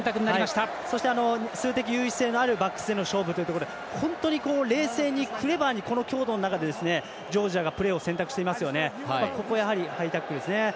そして、数的優位性のあるバックスでの勝負というところで本当に冷静にクレバーにこの強度の中でジョージアがプレーを選択していますよね。